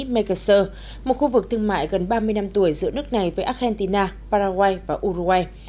megasur một khu vực thương mại gần ba mươi năm tuổi giữa nước này với argentina paraguay và uruguay